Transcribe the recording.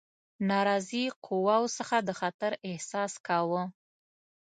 ناراضي قواوو څخه د خطر احساس کاوه.